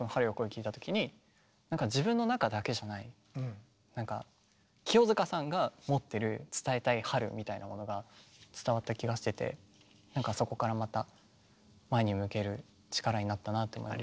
聴いたときになんか自分の中だけじゃない清塚さんが持ってる伝えたい春みたいなものが伝わった気がしててなんかそこからまた前に向ける力になったなって思います。